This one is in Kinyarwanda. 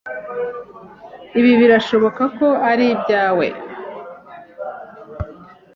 Ibi birashoboka ko ari ibyawe